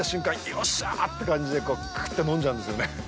よっしゃーって感じでクーっと飲んじゃうんですよね。